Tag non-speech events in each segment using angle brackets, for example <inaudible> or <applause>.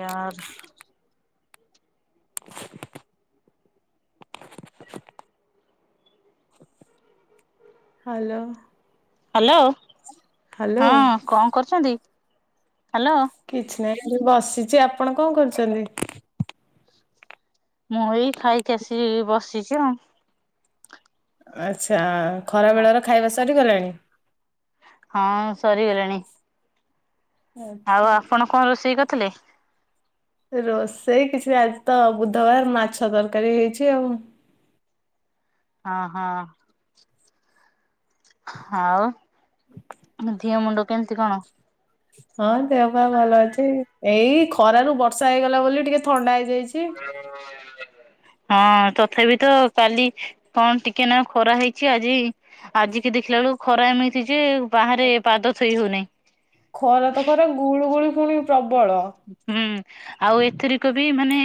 ୟାର <inaudible> hello hello ହଁ କଣ କରୁଛନ୍ତି? ହ୍ୟାଲୋ ନାଇଁ ମୁଁ ବସିଛି ଆପଣ କଣ କରୁଛନ୍ତି? ମୁଁ ଏଇ ଖାଇକି ଆସି ବସିଛି ଆଉ ଆଛା, ଖରା ବେଳର ଖାଇବା ସରିଗଲାଣି? ହଁ ସରି ଗଲାଣି। ଆଉ ଆଚ୍ଛା ଆପଣ କଣ ରୋଷେଇ କରିଥିଲେ? ରୋଷେଇ କିଛି ନା, ଆଜି ତ ବୁଧବାର ମାଛ ତରକାରୀ ହେଇଛି ଆଉ। ହଁ, ହଁ। ଆଉ, ଦେହ ମୁଣ୍ଡ କେମିତି କଣ? ହଁ, ଦେହ ପା ଭଲ ଅଛି। ଏଇ ଖରାରୁ ବର୍ଷା ହେଇଗଲା ବୋଲି ଟିକେ ଥଣ୍ଡା ହେଇଯାଇଛି। ଛିଃ। ହଁ, ତଥାପି ତ କାଲି କଣ ଟିକେ ନା ଖରା ହେଇଛି। ଆଜି ଆଜିିକ ଦେଖିଲା ବେ ଳୁ ଖରା ମି ହେଇ ଯେ, ବାହାରେ ପାଦ ଥୋଇ ହଉନାହିଁ। ଖରା ତ ଖରା, ଗୁଳୁ ଗୁଳି ପୁଣି ପ୍ର ହୁଁ, ଆଉ ଏଥିର କ ବି, ମାନେ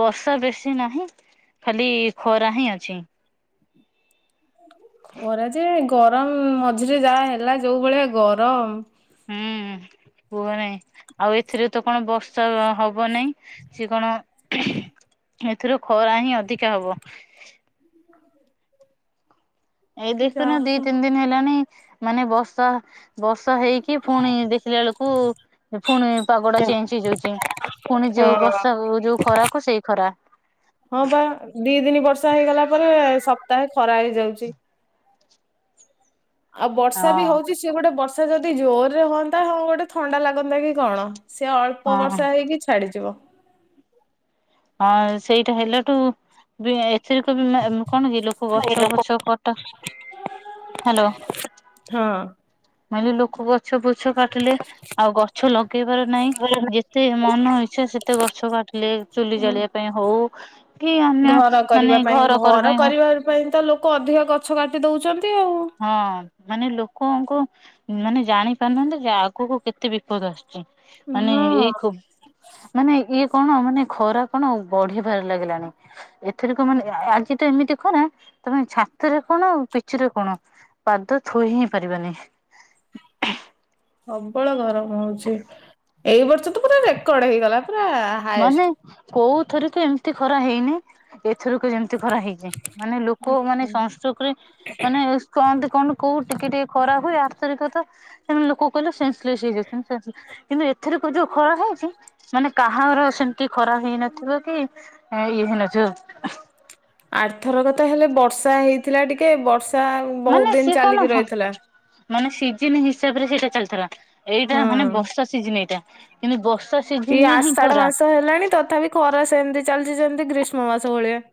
ବର୍ଷା ବେଶୀ ନାହିଁ। ଖାଲି ଖରା ହିଁ ଅଛି। ଖରା ଯେ, ଗରମ ମଝିରେ ଯାହା ହେଲା। ଯୋଉ ଭଳିଆ ଗରମ। ହୁଁ କୁହନାହିଁ, ଆଉ ଏଥିରେ ତ କଣ ବର୍ଷ ହବ ନାହିଁ, ସେ କଣ ଏଥିରୁ ଖରା ହିଁ ଅଧିକା ହବ। ଏଇ ଯା ଦେଖୁନ, ଦି ତିନି ଦିନ ହେଲାଣି। ମାନେ ବର୍ଷା ବର୍ଷା ହେଇକି ପୁଣି, ଦେଖିଲା ବେଳକୁ ପୁଣି ପାଗ ଟା ଚେଞ୍ଜ ହେଇଯାଉଛି। ପୁଣି ହଁ ଯୋଉ ବର୍ଷା, ଯୋଉ ଖରାକୁ ସେଇ ଖରା। ହଁ ବା ଦି ଦନି ବର୍ଷା ହେଇଗଲା ପରେ, ସପ୍ତାହେ ଖରା ହେଇଯାଉଛି। ଆଉ ବର୍ଷା ବି ହଁ ହଉଛି, ସିଏ ଗୋଟେ ବର୍ଷା ଯଦି ଜୋରରେ ହୁଅନ୍ତା। ହଁ, ଗୋଟେ ଥଣ୍ଡା ଲାଗନ୍ତା କି କଣ। ସେ ଅଳ୍ପ ହଁ ବର୍ଷା ହେଇକି ଛାଡିଯିବ। ହଁ, ସେଇଟା ହେଲାଠୁ ବି ଏଥିରେ କ କଣ କି, ଲୋକ ଗଛ ଫଛ କଟା ହଁ। ମ ଲୋକ ଗଛ ଫୁଛ କାଟିଲେ। ଆଉ ଗଛ ଲଗେଇବାର ନାହିଁ। ଯେତେ ମନ ଇଛା ସେତେ ଗଛ କାଟିଲେ, ଚୁଲି ହୁଁ ଜଳିବା ପାଇଁ ହଉ କି ଅନ୍ୟ ଘର ମାନେ କରିବା ପାଇଁ, କର ଘର ପାଇଁ ହଉ। କରିବା ପାଇଁ ତ ଲୋକ ଅଧିକ ଗଛ କାଟି ଦଉଛନ୍ତି ଆଉ। ହଁ, ମାନେ ଲୋକଙ୍କୁ, ମାନେ ଜାଣି ପାରୁନାହାନ୍ତି, ଯେ ଆଗକୁ କେତେ ବିପଦ ଆସୁଛି। ମାନେ ହଁ। ଏଇ ଖୁ, ମାନେ ଏଇ କଣ ମାନେ, ଖରା କଣ ବଢିିବାରେ ଲାଗିଲାଣି। ଏଥିର କ ମାନେ, ଆଜି ତ ଏମିତି ଖରା ତମେ ଛାତରେ କଣ, ପିଚିରେ କଣ। ପାଦ ଥୋଇ ହିଁ ପାରିବାନି। ପ୍ରବଳ ଗରମ ହଉଛି। ଏଇ ବର୍ଷ ତ ପୁରା ରେକର୍ଡ ହେଇଗଲା। ପୁରା ହାଏଷ୍ଟ। ମାନେ, କୋଉଥରେ ତ ଏମିତି ଖରା ହେଇନି। ଏଥରକ ଯେମିତି ଖରା ହେଇଛି। ମାନେ ଲୋକ ମାନେ ହୁଁ। ସନଷ୍ଟୋକରେ, ମାନେ କଣନ୍ତି କଣ କୋଉଠି ଟିକେ ଟିକେ ଖରା ହୁଏ। ଲୋକ କହିଲେ ହେଇ। କିନ୍ତୁ ଏଥିର ଯୋଉ ଖରା ହେଇଛି। ମାନେ ସେମିତି ଖରା ହେଇନଥିବ କି, ଇଏ ହେଇନଥିବ। ଆର୍ଥର ତ ହେଲେ ବର୍ଷା ହେଇଥିଲା ଟିକେ, ବର୍ଷା ବହୁତ ମାନେ ଦିନ ସ କ ଚାଲିକି ନୁହଁ। ରହିଥିଲା। ମାନେ ସ ସିଜିନ ହିସାବ ରେ ସେଇଟା ଚାଲିଥିଲା। ଏଇଟା ମାନେ, ହଁ। ବର୍ଷା ସିଜିନ ଏଇଟା। କିନ୍ତୁ ବ ଇଏ ଆଷାଢ ମାସ ହେଲାଣି, ତଥାପି ଖରା ସେମିତି ଚାଲିଚଛନ୍ତି ଗ୍ରୀଷ୍ମ ମାସ ଭଳିଆ।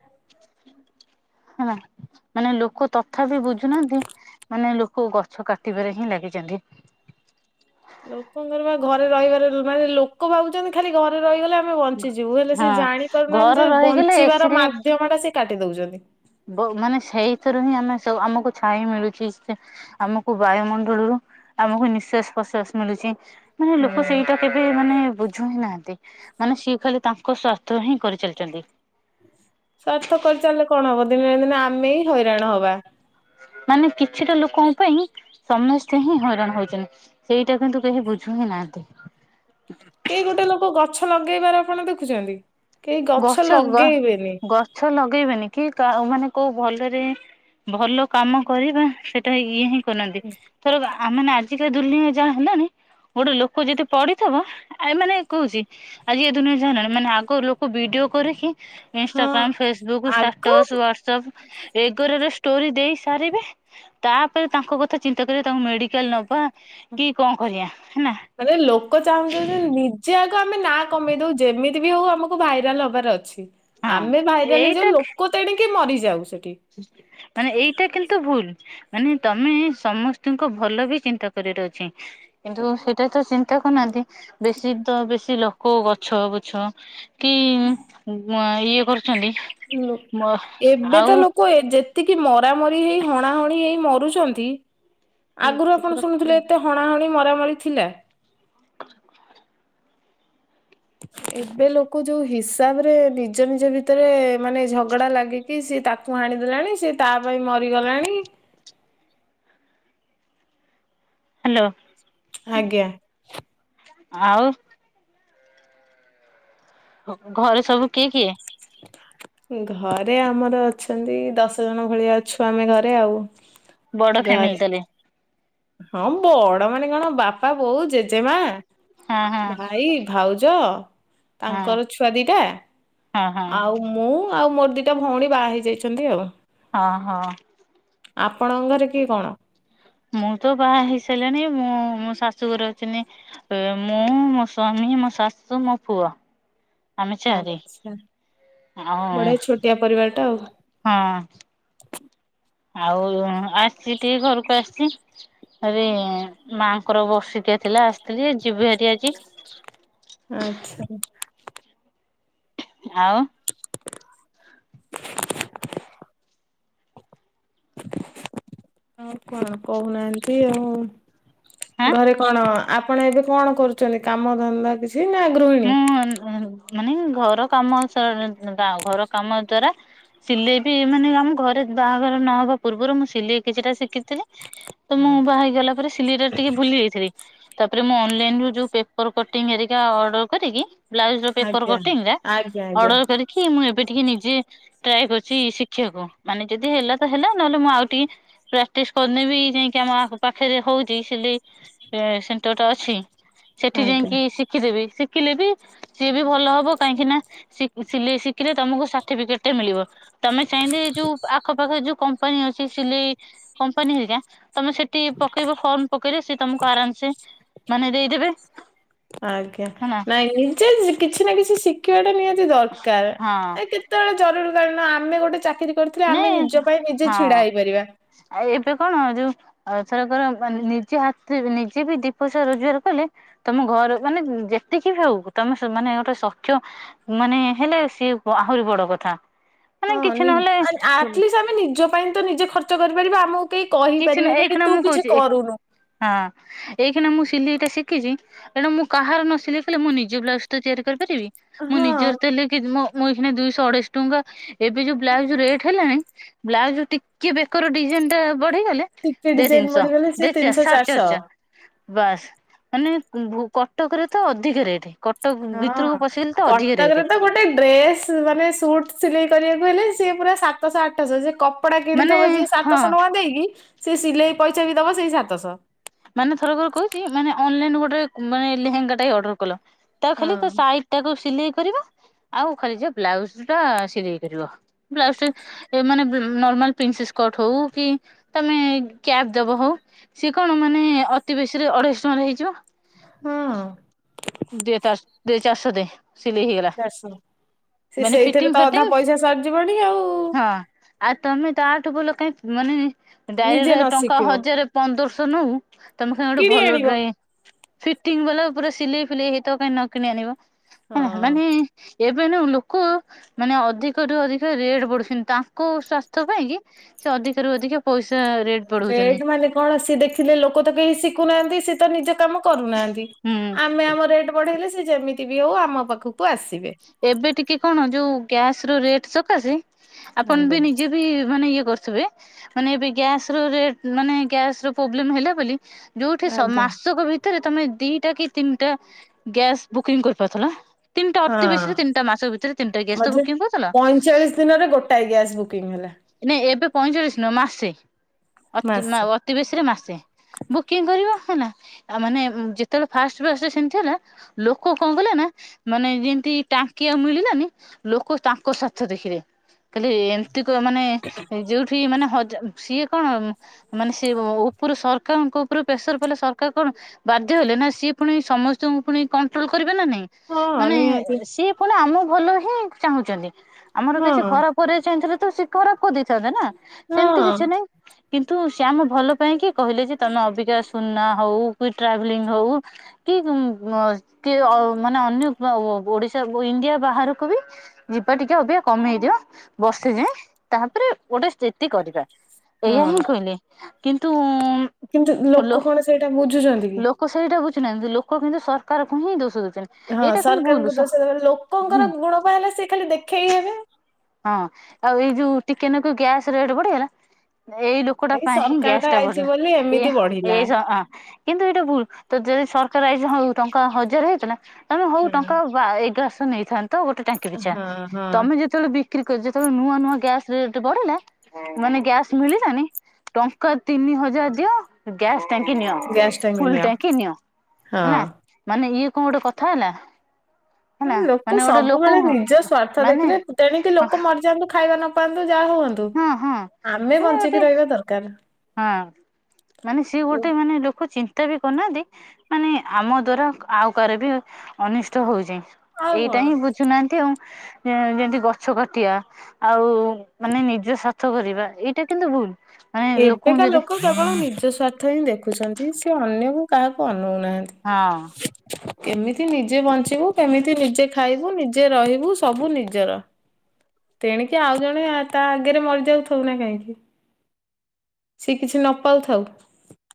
ହଁ। ମାନେ ଲୋକ ତଥାପି ବୁଝୁନାହାନ୍ତି। ମାନେ ଲୋକ ଗଛ କାଟିବାରେ ହିଁ ଲାଗିଛନ୍ତି। <inaudible> ଲୋକଙ୍କର ବା ଘରେ ରହିବାର, ମାନେ ଲୋକ ଭାବଛନ୍ତି ଖାଲି ଘରେ ରହିଗଲେ ଆମେ ବଞ୍ଚିଯିବୁ ହେଲେ, ସେ ହଁ ଘର ଜାଣିପାରୁନାହାନ୍ତି ଯେ, ରହିଗଲେ ବଞ୍ଚିବାର ଏସିରେ ମାଧ୍ୟମ ଟା ସେ କାଟି ଦଉଛନ୍ତି। ମାନେ, ସେଇଥିରୁ ହିଁ ଆମେୁ ଆମକୁ ଛାଇ ମିଳୁଛି। ସେ ଆମକୁ ବାୟୁମଣ୍ଡଳରୁ ଆମକୁ ନିଃଶ୍ଵାସ ପ୍ରଶ୍ଵାସ ମିଳୁଛି ମାନେ ଲୋକ ସେଇଟା କେବେ ମାନେ ବୁଝ ଛୁଇଁ ନାହାନ୍ତି ମାନେ ସିଏ ଖାଲି ତାଙ୍କ ସ୍ୱାର୍ଥ ହିଁ କରିଚାଲିଛନ୍ତି ସ୍ଵାର୍ଥ କରିଚଲିଲେ କଣ ହବ ଦିନନା ଦିନେ ଆମେ ହିଁ ହଇରାଣ ହବା <unintelligible> ମାନେ କିଛିଟା ଲୋକଙ୍କ ପାଇଁ ସମସ୍ତେ ହିଁ ହଇରାଣ ହଉଛନ୍ତି ସେଇଟା କିନ୍ତୁ କେହି ବୁଝୁ ହିଁ ନାହାନ୍ତି ହ <unintelligible> କେଇ ଗୋଟେ ଲୋକ ଗଛ ଲଗେଇବାର ଆପଣ ଦେଖୁଛନ୍ତି କେହି ଗଛ ଲଗେଇବେନି ଗଛ ଲଗେଇବେନି କି ମାନେ କୋଉ ଭଲରେ ଭଲ କାମ କରିବା ସେଟା ଇଏ ହଁ କରୁନାହାନ୍ତି ଥର ଆ ମାନେ ଆଜିକାଲି ଦୁନିଆ ଯାହା ହେଲାଣି ଗୋଟେ ଲୋକ ଯଦି ପଢିଥିବ ଏ ମାନେ କହୁଛି ଆଜି ଏ ଦୁନିଆ ଯାହାହେଲାଣି ମାନେ ଆଗ ଲୋକ ଭିଡିଓ କରିକି ହଁ ଇନସ୍ଟାଗ୍ରାମ ଫେସବୁକ୍ ଆଗ ଷ୍ଟାଟସ ୱାର୍ଡସପ ଏଗରାରେ ଷ୍ଟୋରି ଦେଇ ସାରିବେ ତାପରେ ତାଙ୍କ କଥା ଚିନ୍ତା କରିବେ ତାଙ୍କୁ ମେଡିକାଲ ନବା କି କଣ କରିବା ହେଲା ମାନେ ଲୋକ ଚାହୁଁଛନ୍ତି ଯେ ନିଜେ ଆଗ ଆମେ ନା କମେଇ ଦଉଛେ ଯେମିତି ବି ହଉ ଆମକୁ ଭାଇରାଲ ହବାର ଅଛି ହଁ ଆମେ ଭାଇରାଲ ହେଇଯାଉ ଏଇଟା ଲୋକ ତେଣିକି ମରିଯାଉ ସେଠି ମାନେ ଏଇଟା କିନ୍ତୁ ଭୁଲ ମାନେ ତମେ ସମସ୍ତଙ୍କୁ ଭଲ ବି ଚିନ୍ତା କରିବାର ଅଛି କିନ୍ତୁ ସେଇଟା ତ ଦେଖୁନାହାନ୍ତି ବେଶୀ ତ ବେଶୀ ଲୋକ ଗଛ ବୁଛ କି ଇଏ କରୁଛନ୍ତି ଆଉ କୁହେ ଯେତିକି ମରାମରି ହେଇ ହଣାହଣି ହେଇ ମରୁଛନ୍ତି ଆଗରୁ ଆପଣ ଶୁଣୁଥିଲେ ଏତେ ହଣାହଣି ମରାମରି ଥିଲା <unintelligible> ଏବେ ଲୋକ ଯୋଉ ହିସାବ ରେ ନିଜ ନିଜ ଭିତରେ ମାନେ ଝଗଡା ଲାଗିକି ସି ତାକୁ ହାଣ ଣିଦେଲାଣି ସେ ତା ପାଇଁ ମରିଗଲାଣି <unintelligible> ହାଲୋ ଆଜ୍ଞା ଆଉ ଘରେ ସବୁ କିଏ କିଏ ଘରେ ଆମର ଅଛନ୍ତି ଦଶ ଜଣ ଭଳିଆ ଅଛୁ ଆମେ ଘରେ ଆଉ ବଡ ଘରେ ଫ୍ଯାମିଲି ତାହେଲେ ହଁ ବଡ ମାନେ କଣ ବାପା ବୋଉ ଜେଜେମା ହଁ ହଁ ଭାଇ ଭାଉଜ ହଁ ତାଙ୍କର ଛୁଆ ଦିଟା ହଁ ହଁ ଆଉ ମୁଁ ଆଉ ମୋର ଦିଟା ଭଉଣୀ ବାହା ହେଇ ଯାଇଛନ୍ତି ଆଉ ହଁ ହଁ ଆପଣଙ୍କରେ କିଏ କଣ ମୁଁ ତ ବାହା ହେଇ ସାରିଲିଣି ମୁଁ ମୋ ଶାଶୁ ଘରେ ଅଛି ନି ମୁଁ ମୋ ସ୍ଵାମୀ ମୋ ସାସୁ ମୋ ପୁଆ ହଁ ଆଉ ବଢିଆ ଛୋଟିଆ ପରିବାର ଟା ଆଉ ହଁ ଆଉ ଆସିଛି ଟିକେ ଘରକୁ ଆସି ସିଛି ଆରେ ମାଙ୍କର ବର୍ଷିକିଆ ଥିଲା ଆସିଥିଲି ଯିବି ଭାରି ଆଜି ଆଚ୍ଛା ଆଉ <unintelligible> ଆଉ କଣ କହୁନାହାନ୍ତି ଆଉ ଆଁ ଘରେ କଣ ଆପଣ ଏବେ କଣ କରୁଛନ୍ତି କାମ ଧନ୍ଦା କିଛି ନା ଗୃହିଣୀ? ହଁ ହ <unintelligible> ମାନେ ଘର କାମ ସ ଦା ଘର କାମ ଦ୍ଵାରା ସିଲେଇ ବି ମାନେ ଆମ ଘରେ ବାହାଘର ନହବା ପୂର୍ବରୁ ମୁଁ ସିଲେଇ କିଛିଟା ଶିଖିଥିଲି ତ ମୁଁ ଆଜ୍ଞା ବାହାରଗଲା ପରେ ସିଲେଇ ର ଟିକେ ଭୁଲି ଯାଇଥିଲି ତାପରେ ମୁଁ ଅନଲାଇନ ରୁ ଯୋ ପେପର କଟିଂରିକା ଅଡର କରିକି ବ୍ଲାଉଜ ର ପେପର ଆଜ୍ଞା କଟିଂ ଆଜ୍ଞା ଅର୍ଡର କରିକି ମୁଁ ଏବେିଟିକେ ଯ ଟ୍ରାଏ କରୁଛି ଶିଖିବାକୁ ମାନେ ଯଦି ହେଲା ତ ହେଲା ନହେଲେ ମୁଁ ଆଉ ଟିକେ ପ୍ରାକ୍ଟିସ କରିନ ବି ଯାଇକି ଆମ ପାଖରେ ହଉଛି ସିଲେଇ ସେଣ୍ଟର ଟା ଅଛି ସେଠି ଆଜ୍ଞା ଯାଇକି ଶିଖିଦେବି ଶିଖିଲେ ବି ସିଏ ବି ଭଲ ହବ କାହିଁକି ନା ଶିଖିଲେ ତମକୁ ସାର୍ଟିଫିକେଟ ଟା ମିଳିବ ତମେ ଚାହିଁଲେ ଯୋଉ ଆଖପାଖରେ ଯୋଉ କମ୍ପାନୀ ଅଛି ସିଲେଇ କମ୍ପାନୀ ହେିକା ତମେ ସେଠି ପକେଇବ ଫର୍ମ ପକେଇଲେ ସେ ତମକୁ ଆରାମସେ ମାନେ ଦେଇଦେବେ ଆଜ୍ଞା ହେଲା ନାଇଁ ନିଜେ କିଛି ନା କିଛି ଶିଖିବାଟା ନିହାତି ଦରକାର ହଁ ଏ କେତେବେଳେ ଜରୁରୀ କଳୀନ ଆମେ ଗୋଟେ ଚାକିରି କରିଥିଲେ ଆମେ ନାଇଁ ନିଜ ପାଇଁ ନିଜେ ଛିଡା ହେଇପାରିବା। ହଁ ଏବେ କଣ ହ ଯୋଉ ଆଉ ଥରକେ ନିଜେ ହାତରେ ନିଜେ ବି ଦିପସଆ ରୋଜଗାର କଲେ ତମ ଘର ମାନେ ଯେତିକି ବି ହଉ ତମେ ମାନେ ଗୋଟେ ସକ୍ଷ୍ୟ ମାନେ ହେଲେ ସିଏ ଆହୁରି ବଡ କଥା ମାନେ ହଁ ନି କିଛି ନହେଲେ ଆଟଲିଷ୍ଟ ଆମେ ନିଜ ପାଇଁ ତ ନିଜେ ଖର୍ଚ୍ଚ କରିପାରିବା ଆମକୁ କେହି କିଛି ନାହି କହିପାରିବେନି କି ଏଖାନା ତୁ ମୁଁ କିଛି କହୁଛି କରୁନୁ ହଁ ଏାନ ମୁଁ ସିଲେଇ ଟା ଶିଖିଛି ଏଣୁ ମୁଁ କାହାର ନ ସିଲେଇ କଲେ ମୁଁ ନିଜ ବ୍ଲାଉଜ ତ ତିଆରି କରିିବି ିବି ମୁଁ ହଁ ନିଜର ତ ଲ <inaudible> ମୁଁ ଏଇଖ ଦୁଇଶହ ଅଢେଇଶି ଟଙ୍କା ଏବେ ଯୋଉ ବ୍ଲାଉଜ ରେଟ ହେଲାଣି ବ୍ଲାଉଜ ଟିକେ ବେକର ଡିଜାଇନ ଟା ବଢେଇଗଲେ ଟିକେ ଦ ଡିଜାଇନ ତିନିଶହ ବଢିଗଲେ ସିଏ ତିନିଶହ ଦେସାଢେ ଚାରିଶହ ବାସ୍ ମାନେ କଟକରେ ତ ଅଧିକ ରେଟ୍ କଟ ହଁ କଟକରେ ତ ଗୋଟେ ଡ୍ରେସ୍ ମାନେ ସୁଟ ସିଲେଇ କରିବାକୁ ହେଲେ ସିଏ ପୁରା ସାତଶହ ଆଠଶହ ସେ କପଡା ମାନେ କିଣିଥବ ଯିଏ ହଁ ସାତଶହ ନଆ ଦେଇକି ସେ ସିଲେଇ ପଇସା ବି ଦବ ସେଇ ସାତଶହ ମାନେ ଥରଥର କହୁଛି ମାନେ ଅନଲାଇନ ଗୋଟେ ମାନେ ଲେହେଙ୍ଗା ଟା ଅର୍ଡର କଲ ତା ଖାଲି ତ ହଁ ସାଇଟ ଟାକୁ ସିଲେଇ କରିବା ଆଉ ଖାଲି ଯ ବ୍ଲାଉଜ ଟା ସିେଇ କରିବ ବ୍ଉଜ ମାନେ ନର୍ମାଲ ପ୍ରିନ୍ସ ହ କି ତମେ କ୍ୟାବ ଦବ ହଉ ସ କଣ ଆମ ମାନେ ଅତି ବେଶୀରେ ଅଢେଇଶ ଟଙ୍କା ହେଇଛ ହଁ ଦେ ଚା ଦେ ଚାାରଶ ଦେ ସିଲେଇ ହେଇଗଲା ଚାରିଶହ ସେ ମାନେ ସେଇଥିରେ ଫିଟିଙ୍ଗ ତ ଅଧା ପଇସା ସରିଯିବଣି ଆଉ ଫିଟିଙ୍ଗ ହଁ ଆ ତମେ ତ ଆଠ ବୋଲ କାଁ ମାନେ ନିଜେ ଡାଇରେକ୍ଟ ନ ଟଙ୍କା ଶିଖିବ ହଜାର ପନ୍ଦରଶହ ନଉ ତମେ ଖ ଗୋଟେ କିଣି ଆଣିବ ଭଲଡ ଫଟି ପୁରା ସିଲେଇ ଫିଲେଇ ହେଇତ କଁ ନ କିଣି ଆଣିବ ହଁ ମାନେ ଲୋକ ମାନେ ଅଧିକରୁୁ ଅଧିକ ରେଟ ବଢୁଛନ୍ତି ତାଙ୍କ ସ୍ୱାସ୍ଥ୍ୟ ପାଇଁ କି ଅଧିକରୁ ଅଧିକ ପଇସା ରେଟ୍ ବଢଉଛନ୍ତି ରେଟ ମାନେ କଣ ସିଏ ଦେଖିଲେ ଲୋକ ତ କେହି ଶିଖୁନାହାନ୍ତି ସି ତ ନିଜ କାମ କରୁନାହାନ୍ତି ହୁଁ ଆମେ ଆମ ରେଟ ବଢେଇଲେ ସେ ଯେମିତି ବି ହଉ ଆମ ପାଖକୁ ଆସିବେ। ଏବେ ଟିକେ କଣ ଯୋଉ ଗ୍ୟାସ ର ରେଟ ସକାଶ ଆପଣ ବି ଆଜ୍ଞା ନିଜେ ବି ମାନେ ଇଏ ବସିବେ ମାନେ ଏବେ ଗ୍ୟାସ ର ରେଟ ମାନେ ଗ୍ୟାସ ର ପ୍ରୋବେଲେମ ହେଲା ବୋଲି ଯୋଉଁଠି ସ ଆଜ୍ଞା ମାସକ ଭିତ ତମେ ଦିଟା କି ତିନିଟା ଗ୍ୟାସ୍ ବୁକିଂ କରିପାରୁଥିଲ। ତିନ ତିନିଟା ହଁ ଅତି ବେଶୀ ତିନିଟା ମାସ ଭିତରେ ତିନିଟା ଗ୍ୟାସ ତ ମଝିରେ ବୁକିଂ କରୁଥିଲ। ପଇଁଚାଳିଶ ଦିନରେ ଗୋଟାଏ ଗ୍ୟାସ୍ ବୁକିଂ ହେଲା ନାଇଁ ଏବେ ପଇଁଚାଳିଶି ନୁହେଁ ମାସେ। ଅତି ମାସେ। ଅତିିବେଶୀ ରେ ମାସେ ବୁକିଂ କରିବ। ଆ ମାନେ ଯେତେବେଳେ ଫାଷ୍ଟ ଫଷ୍ଟ ସେମିତି ହେଲା ଲୋକ କଣ କଲେ ନା ମାନେ ଯେମତି ଟାଙ୍କି ଆଉ ମିଳିଲାନି ଲୋକ ତାଙ୍କ ସ୍ୱାର୍ଥ ଦେଖିଲେ କହିଲେ ଏମିତି କ ମାନେ ଯୋଉଁଠି ମାନେ ହ ସିଏ କଣ ମାନେ ସି ଉପରୁ ସରକାରଙ୍କ ଉପରେ ପ୍ରେସର ପଇଲେ ସରକାର କଣ ବାଧ୍ୟ ହେଲେ ନା ସିଏ ପୁଣି ସମସ୍ତଙ୍କୁ ପୁଣି କଣ୍ଟ୍ରୋଲ କରିବ। ନାଇଁ ନାଇଁ ହଁ ମାନେ ନିହାତି ସିଏ ପୁଣି ଆମ ଭଲ ହିଁ ଚାହୁଁଛନ୍ତି। ଆମର ହଁ କିଛି ଖରାପ କରିବା ଚାହିଁଥିଲେ ତ ସେ ଖରାପ କରି ଦେଇଥାନ୍ତେ ନାଁ ହଁ ସେମିତି କିଛି ନାଇଁ। କିନ୍ତୁ ସେ ଆମ ଭଲ ପାଇଁ କି କହିଲେ ଯେ ତମେ ଅଧିକ ସୁନା ହଉ କି ଟ୍ରାଭେଲିଙ୍ଗ ହଉ କି କି ମାନେ ଅନ୍ୟ ଓଡ଼ିଶା ଇଣ୍ଡିଆ ବାହାରକୁ ବି ଟିକେ ଅଧିକ କମେଇ ଦିଅ ବ ସେ ଯାଏ ତାପରେ ଗୋଟେ ସ୍ଥିତି କରିବା ହଁ ଏଇଆ ହିଁ କହିଲେ କିନ୍ତୁ କିନ୍ତୁ ଲୋକ କଣ ସେଇଟା ବୁଝୁଛନ୍ତି କି? କିଛିନାଇଁ ଲୋକ କିନ୍ତୁ ସରକାରଙ୍କୁ ହିଁ ଦୋଷ ଦଉ ହଁ ସରକାରଙ୍କ ଦୋଷ ହୁଁ ଲୋକଙ୍କର ଗୁଣବା ହେଲା ସେ ଖାଲି ଦେଖେଇ ହେବେ। ହଁ ଆଉ ଏଇ ଯୋଉଁ ଟିକେ ନାକୁ ଗ୍ୟାସ ରେଟ ବଢିଗଲା ଏଇ ଲୋକଟା ପାଇଁ ହିଁ ସରକାର ଗ୍ୟାସ ଟା ଆଇଛି ବଢ଼ିଲା ବୋଲି ଏଇ ଏମିତି ବଢିଲା ଏଇ କିନ୍ତୁ ଏଇଟାକୁ ତ ଯଦି ସରକାର <unintelligible> ହଜାର ହେଇଚିନା ତାହ ହଉ ହଁ ଟଙ୍କା ଏଗାରଶହ ନେଇଥାନ୍ତୁ। ତ ଗୋଟେ ଟାଙ୍କି ପିଛା ହଁ ହଁ ତମେ ଯେତେବେଳେ ବିକ୍ରି କରଛ ଠୁ ନୂଆ ନୂଆ ଗ୍ୟାସ ରେଟ ବଢ଼ିଲା ମାନେ ଗ୍ୟାସ ମିଳିଲାନି ଟଙ୍କା ତିନି ହଜାର ଦିଅ ଗ୍ୟାସ୍ ଟାଙ୍କି ନିଅ ଫୁଲ ଟାଙ୍କି ନିଅ ହେଲା ହଁ। ମାନେ ଇଏ କଣ ଗୋଟେ କଥା ହେଲା। ହେଲା ମାନେ ଲୋକ ଗୋଟେ ଲୋକ ସବୁବେଳେ ନିଜ ସ୍ଵାର୍ଥ ମାନେ ଦେଖିଲେ ତେଣିକି ଲୋକ ମରିଯାଆନ୍ତୁ। ଖାଇବା ନପାଆନ୍ତୁ ଯାହା ହୁଅନ୍ତୁ ହଁ ହଁ ଆମେ ମାନେ ଗୋଟେ ବଞ୍ଚିକି ରହିବା ଦରକାର। ହଁ ମାନେ ସିଏ ଗୋଟେ ମାନେ ଲୋକ ତା ଚିନ୍ତା ବି କରୁନାହାନ୍ତି ମାନେ ଆମ ଦ୍ଵାରା ଆଉ କାହାର ବି ଅନିଷ୍ଟ ହଉଛି। ଆଉ ଏଇଟା କଣ। ହିଁ ବୁଝୁନାହାନ୍ତି ଆଉ। ହଁ ଯେମିତି ଗଛ କାଟିବା ଆଉ ମାନେ ନିଜ ସ୍ୱାର୍ଥ କରିବା ଏଇଟା କିନ୍ତୁ ଭୁଲ। ହଁ ଲୋକ ଏକା ଲୋକ କେବଳ ନିଜ ସ୍ୱାର୍ଥ ହିଁ ଦେଖୁଛନ୍ତି ସେ ଅନ୍ୟକୁ କାହାକୁ ଆ ଅନଉନାହାନ୍ତି ହଁ କେମିତିି ନିଜେ ବଞ୍ଚିବେ କେମିତି କେମିତି ନିଜେ ଖାଇବୁ ନିଜେ ରହିବୁ ସବୁ ନିଜର। ତେଣିକି ଆଉ ଜଣେ ତା ଆଗରେ ମରିଯାଉ ଥାଉ ନା କାହିଁକି। ସେ କିଛି ନ ପାଉଥାଉଁ।